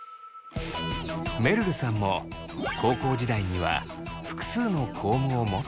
めるるさんも高校時代には複数のコームを持っていたそう。